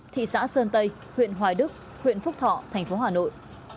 thị xã sơn tây huyện hoài đức huyện phúc thọ tp hà nội